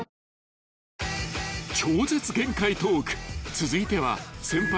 ［続いては先輩